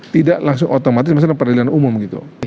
tidak langsung otomatis misalnya peradilan umum gitu